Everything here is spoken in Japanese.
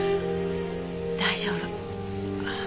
大丈夫。